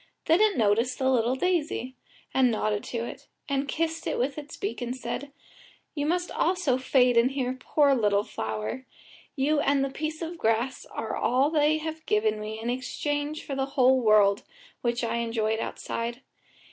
Then it noticed the little daisy, and nodded to it, and kissed it with its beak and said: "You must also fade in here, poor little flower. You and the piece of grass are all they have given me in exchange for the whole world, which I enjoyed outside.